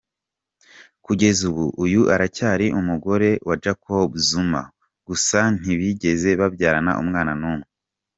Kugeza ubu uyu aracyari umugore wa Jacob Zuma, gusa ntibigeze babyarana umwana n’umwe.